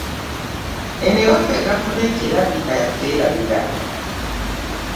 Eno ewaffe gavumenti erabika yatwerabira.